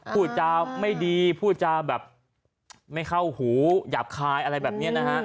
พูดจาไม่ดีพูดจาแบบไม่เข้าหูหยาบคายอะไรแบบนี้นะฮะ